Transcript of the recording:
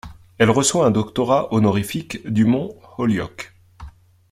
Elle reçoit un doctorat honorifique du Mont Holyoke.